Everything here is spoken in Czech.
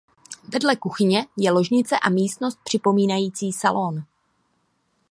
Vedle kuchyně je ložnice a místnost připomínající salon.